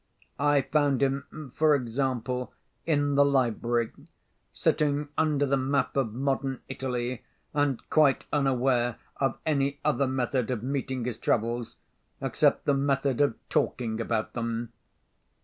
I found him (for example) in the library, sitting under the map of Modern Italy, and quite unaware of any other method of meeting his troubles, except the method of talking about them.